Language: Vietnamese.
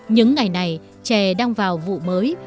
những ngày này trẻ đang vào vụ mới